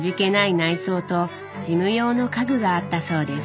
内装と事務用の家具があったそうです。